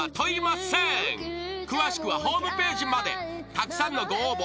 ［たくさんのご応募